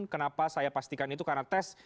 kenapa saya pastikan itu karena tes